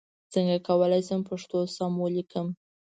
څنګه کولای شم پښتو سم ولیکم ؟